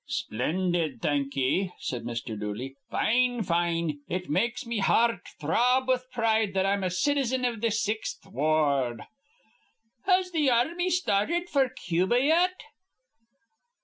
"Splendid, thank ye," said Mr. Dooley. "Fine, fine. It makes me hear rt throb with pride that I'm a citizen iv th' Sixth Wa ard." "Has th' ar rmy started f'r Cuba yet?"